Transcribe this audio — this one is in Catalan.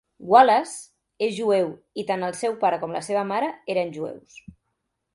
Wallace és jueu i tant el seu pare com la seva mare eren jueus.